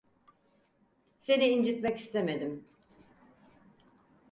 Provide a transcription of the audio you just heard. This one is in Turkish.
Seni incitmek istemedim.